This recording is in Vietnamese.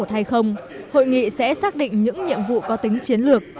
hội nghị sẽ xác định những nhiệm vụ có tính chiến lược